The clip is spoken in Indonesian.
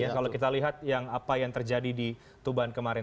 kalau kita lihat yang apa yang terjadi di tuban kemarin